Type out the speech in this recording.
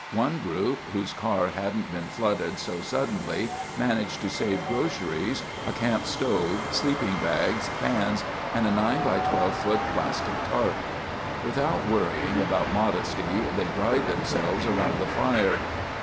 One group, whose car hadn't been flooded so suddenly, managed to save groceries, a camp stove, sleeping bags, pans and a 9 × 12 ft. plastic tarp. Without worrying about modesty, they dried themselves around the fire.